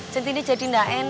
centini jadi enggak enak